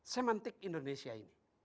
semantik indonesia ini